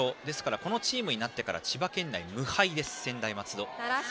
このチームになってから千葉県内無敗です、専大松戸。